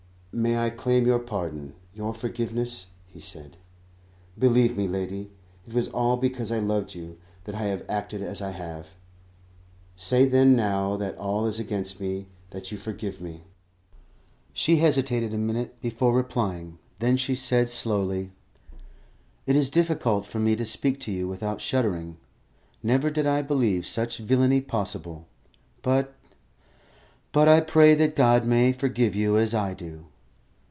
"May I claim your pardon, your forgiveness?" he said. "Believe me, lady, it was all because I loved you that I have acted as I have. Say, then, now that all is against me, that you forgive me." She hesitated a minute before replying; then she said slowly, "It is difficult for me to speak to you without shuddering. Never did I believe such villainy possible; but but I pray that God may forgive you, as I do."